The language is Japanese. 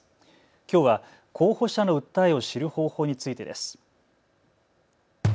きょうは候補者の訴えを知る方法についてです。